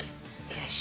よし。